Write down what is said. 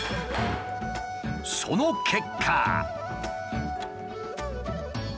その結果。